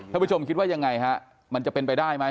ผู้ชมคิดว่ายังไงฮะมันจะเป็นไปได้ไหม